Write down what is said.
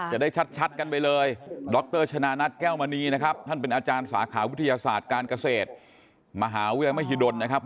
ที่กัดหญิงสาวชาวเมียนมานี่เป็นสายพันธุ์อเมริกัน